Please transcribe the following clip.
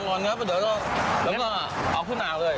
ผมจะเอาไปลงมาก่อนครับเดี๋ยวเอาขึ้นอ่านเลย